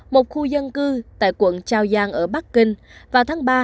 một khu dân cư tại quận trao giang ở bắc kinh vào tháng ba